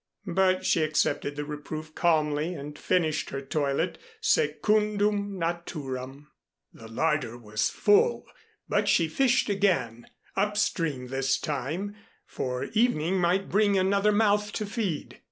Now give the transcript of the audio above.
But she accepted the reproof calmly and finished her toilet secundum naturam. The larder was full, but she fished again up stream this time, for evening might bring another mouth to feed.